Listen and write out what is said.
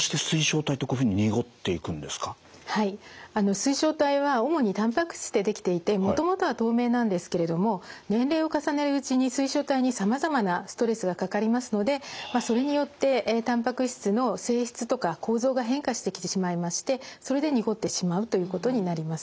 水晶体は主にたんぱく質で出来ていてもともとは透明なんですけれども年齢を重ねるうちに水晶体にさまざまなストレスがかかりますのでそれによってたんぱく質の性質とか構造が変化してきてしまいましてそれで濁ってしまうということになります。